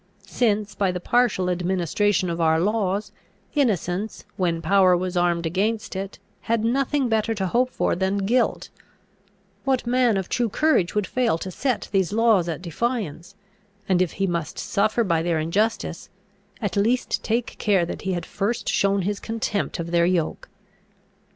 Since, by the partial administration of our laws, innocence, when power was armed against it, had nothing better to hope for than guilt, what man of true courage would fail to set these laws at defiance, and, if he must suffer by their injustice, at least take care that he had first shown his contempt of their yoke?